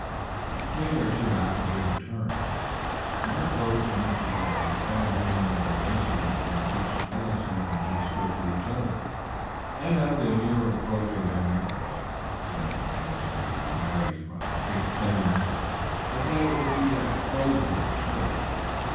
A day or two after his return Mark wrote to Mr. Greg telling him the relations in which Millicent and he stood to each other, and of the near approach of their marriage. He said that Millicent would be married from Dick Chetwynd's, but that it would be at Crowswood church.